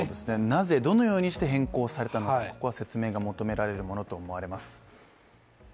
なぜ、どのようにして変更されたのか説明が求められるものと思われます。